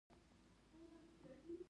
استاد د عقل غږ دی.